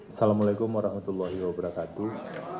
assalamu'alaikum warahmatullahi wabarakatuh